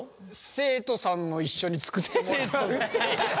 生徒さんも一緒に作ってもらうって。